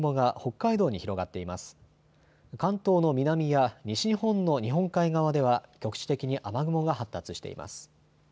関東の南や西日本の日本海側では局地的に雨雲が発達しています。